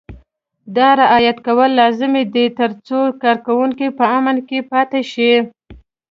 دا رعایت کول لازمي دي ترڅو کارکوونکي په امن کې پاتې شي.